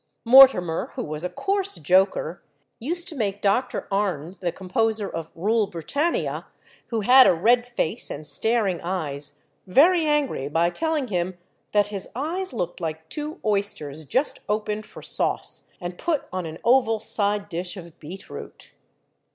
Mortimer, who was a coarse joker, used to make Dr. Arne, the composer of "Rule Britannia," who had a red face and staring eyes, very angry by telling him that his eyes looked like two oysters just opened for sauce, and put on an oval side dish of beetroot.